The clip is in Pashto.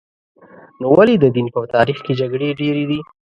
نو ولې د دین په تاریخ کې جګړې ډېرې دي؟